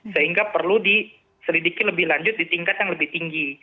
sehingga perlu diselidiki lebih lanjut di tingkat yang lebih tinggi